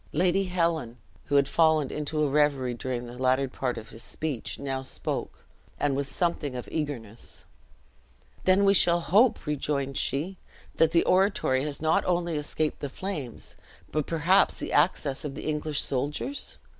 Lady Helen, who had fallen into a reverie during the latter part of his speech, now spoke, and with something of eagerness. "Then we shall hope," rejoined she, "that the oratory has not only escaped the flames, but perhaps the access of the English soldiers?